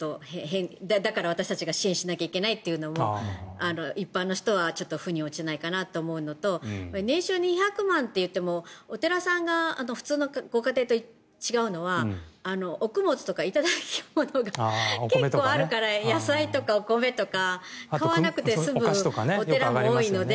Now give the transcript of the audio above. だから私たちが支援しなきゃいけないっていうのも一般の人はちょっと腑に落ちないかなと思うのと年収２００万といってもお寺さんが普通のご家庭と違うのはお供物とか頂き物が結構あるから野菜とかお米とか買わなくて済むお寺も多いので。